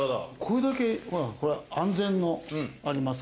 これだけ安全のありますから。